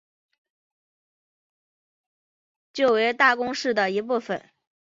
旧为大宫市的一部分。